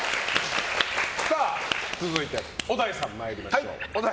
続いて、小田井さん参りましょう。